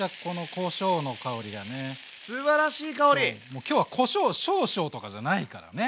もう今日はこしょう少々とかじゃないからね。